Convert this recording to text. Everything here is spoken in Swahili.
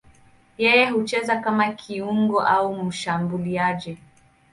Yeye hucheza kama kiungo au mshambuliaji.